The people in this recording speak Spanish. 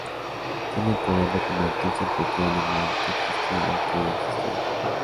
Tiene el poder de convertirse en cualquier animal que exista o que haya existido.